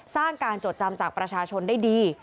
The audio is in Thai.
สร้างการจดจำจากประชาชนได้ดี